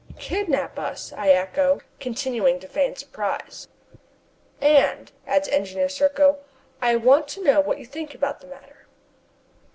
"Kidnap us?" I echo, continuing to feign surprise. "And," adds Engineer Serko, "I want to know what you think about the matter."